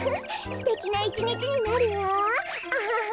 すてきな１にちになるわアハハ。